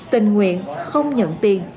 tình nguyện không nhận tiền